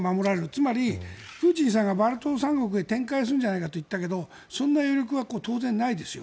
つまりプーチンさんがバルト三国に展開するといったけどそんな余力は当然ないです。